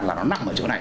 là nó nằm ở chỗ này